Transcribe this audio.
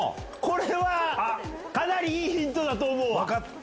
これはかなりいいヒントだと思う。